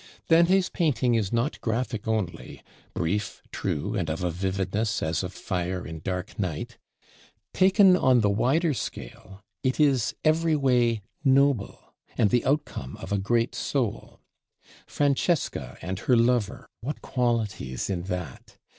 Dante's painting is not graphic only, brief, true, and of a vividness as of fire in dark night; taken on the wider scale, it is every way noble, and the outcome of a great soul. Francesca and her Lover, what qualities in that!